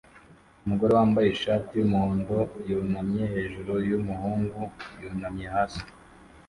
Umugore wambaye ishati yumuhondo yunamye hejuru yumuhungu yunamye hasi